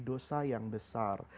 dosa yang besar